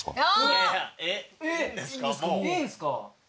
えっいいんすか？